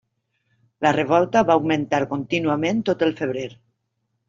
La revolta va augmentar contínuament tot el febrer.